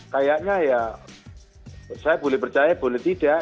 kayaknya ya saya boleh percaya boleh tidak